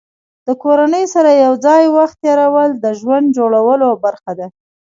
د کورنۍ سره یو ځای وخت تېرول د ژوند جوړولو برخه ده.